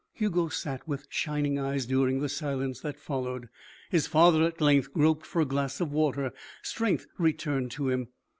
Hugo sat with shining eyes during the silence that followed. His father at length groped for a glass of water. Strength returned to him.